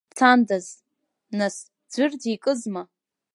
Дцандаз, нас, аӡәыр дикызма…